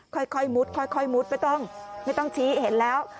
ค่อยมุดค่อยมุดไม่ต้องไม่ต้องชี้เห็นแล้ว